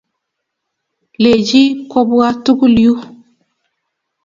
lechi bmkobwa tugul yuu